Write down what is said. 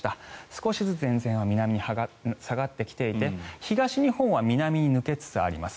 少しずつ前線は南に下がってきていて東日本は南に抜けつつあります。